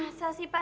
masa sih pak